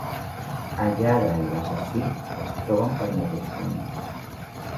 El lladre i l'assassí es troben pel mateix camí.